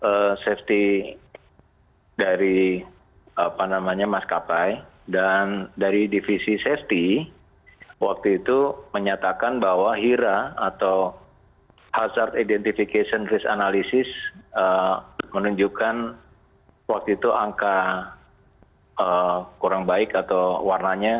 waktu itu safety dari apa namanya mas kapai dan dari divisi safety waktu itu menyatakan bahwa hira atau hazard identification risk analysis menunjukkan waktu itu angka kurang baik atau warnanya